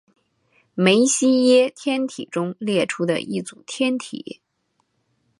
梅西耶天体中列出的一组天体。